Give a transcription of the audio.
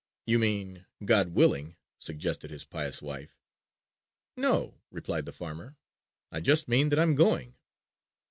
'You mean God willing,' suggested his pious wife. 'No,' replied the farmer, 'I just mean that I'm going.'